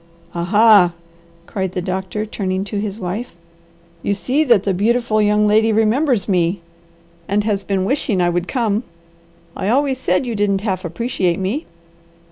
"A ha!" cried the doctor, turning to his wife. "You see that the beautiful young lady remembers me, and has been wishing I would come. I always said you didn't half appreciate me.